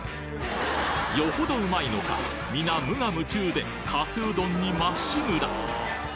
よほどうまいのかみな無我夢中でかすうどんにまっしぐら！